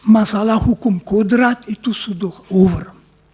masalah hukum kodrat itu sudah ur